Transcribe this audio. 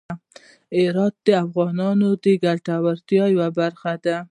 هرات د افغانانو د ګټورتیا یوه برخه ده.